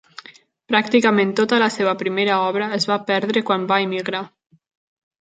Pràcticament tota la seva primera obra es va perdre quan va immigrar.